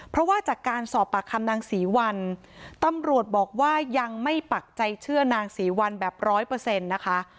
เพราะว่าจากการสอบปากคำนางศรีวัลตำรวจบอกว่ายังไม่ปักใจเชื่อนางศรีวัลแบบร้อยเปอร์เซ็นต์นะคะ